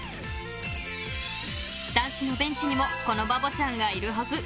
男子のベンチにもこのバボちゃんがいるはず。